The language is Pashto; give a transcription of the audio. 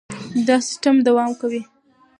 دا سیستم دوام کوي.